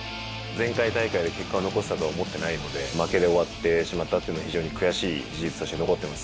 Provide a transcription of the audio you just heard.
前回大会で結果を残せたとは思ってないので、負けで終わってしまっていうのは、非常に悔しい事実として残っております。